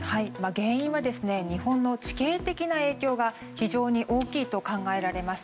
原因は日本の地形的な影響が非常に大きいと考えられます。